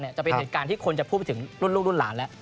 จะเป็นเหตุการณ์ที่คนจะพูดไปถึงรุ่นลูกรุ่นหลานแล้ว